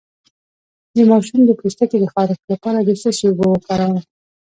د ماشوم د پوستکي د خارښ لپاره د څه شي اوبه وکاروم؟